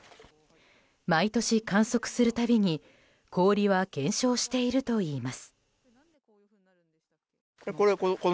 毎年、観測する度に氷は減少しているといいます。